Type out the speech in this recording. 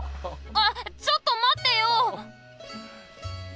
あっちょっとまってよ！